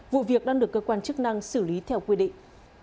vụ việc đang được cơ quan chức năng xử lý theo quy định